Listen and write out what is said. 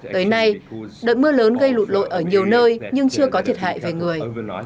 tới nay đợt mưa lớn gây lụt lội ở nhiều nơi nhưng chưa có thiệt hại về người